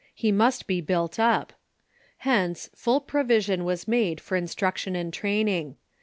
He must be built up. Hence, full provision was made for instruction and training.